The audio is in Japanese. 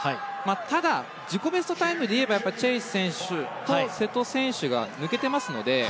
ただ、自己ベストタイムでいえばチェイス選手と瀬戸選手が抜けてますので。